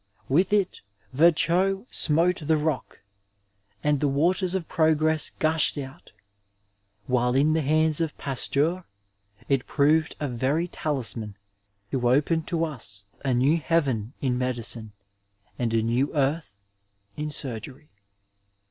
With it Virchow smote the rock, and the waters of progress gushed out ; while in the hands of Pasteur it proved a very talisman to open to us a new heaven in medicine and a new earth in surgery.